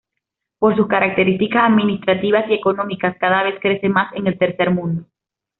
Por sus características administrativas y económicas cada vez crece mas en el tercer mundo.